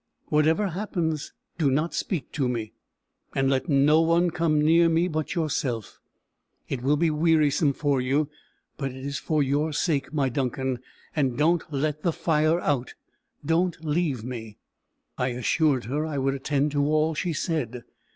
Whatever happens, do not speak to me; and let no one come near me but yourself. It will be wearisome for you, but it is for your sake, my Duncan. And don't let the fire out. Don't leave me." I assured her I would attend to all she said.